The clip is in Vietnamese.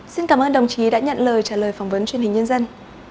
xin cảm ơn đồng chí đã nhận lời trả lời phỏng vấn truyền hình nhân dân